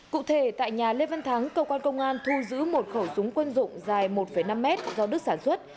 cụ thể tại nhà lê văn thắng cơ quan công an thu giữ một khẩu súng quân dụng dài một năm m do đức sản xuất